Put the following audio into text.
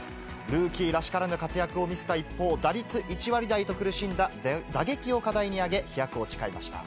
ルーキーらしからぬ活躍を見せた一方、打率１割台と苦しんだ打撃を課題に挙げ、飛躍を誓いました。